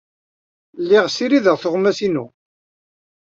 Lliɣ ssirideɣ tuɣmas-inu.